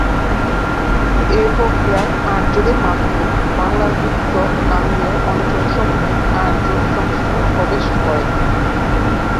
এ প্রক্রিয়ায় আর্যদের মাধ্যমে বাংলার উচ্চ গাঙ্গেয় অঞ্চলসমূহে আর্য সংস্কৃত প্রবেশ করে।